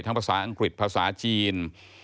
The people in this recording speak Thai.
ภาษาอังกฤษภาษาจีน